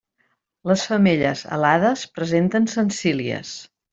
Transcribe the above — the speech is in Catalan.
Les femelles alades presenten sensílies.